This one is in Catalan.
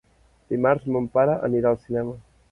Dimarts mon pare anirà al cinema.